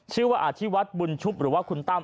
ชื่อว่าอาชีพวัฒน์บุญชุบหรือว่าคุณตั้ม